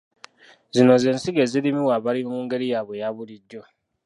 Zino ze nsigo ezirimibwa abalimi mu ngeri yaabwe eyabulijjo.